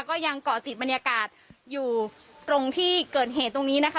ก็ยังเกาะติดบรรยากาศอยู่ตรงที่เกิดเหตุตรงนี้นะคะ